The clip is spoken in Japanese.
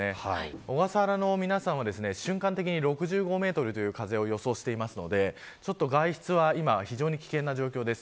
小笠原の皆さんは瞬間的に６５メートルという風を予想していますので外出は今非常に危険な状況です。